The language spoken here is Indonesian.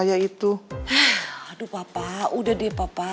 aduh papa udah deh papa